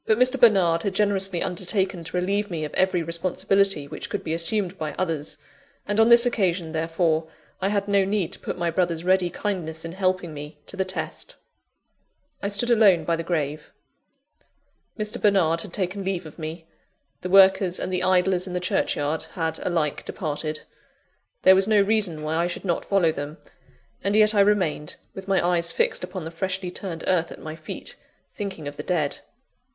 But Mr. Bernard had generously undertaken to relieve me of every responsibility which could be assumed by others; and on this occasion, therefore, I had no need to put my brother's ready kindness in helping me to the test. I stood alone by the grave. Mr. Bernard had taken leave of me; the workers and the idlers in the churchyard had alike departed. There was no reason why I should not follow them; and yet I remained, with my eyes fixed upon the freshly turned earth at my feet, thinking of the dead.